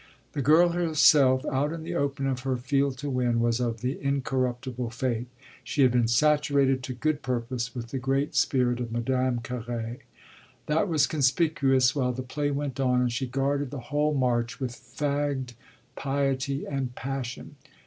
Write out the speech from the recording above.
The girl herself, out in the open of her field to win, was of the incorruptible faith: she had been saturated to good purpose with the great spirit of Madame Carré. That was conspicuous while the play went on and she guarded the whole march with fagged piety and passion.